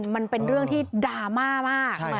มันเป็นเรื่องที่ดราม่ามาก